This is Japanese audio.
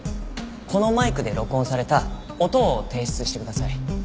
このマイクで録音された音を提出してください。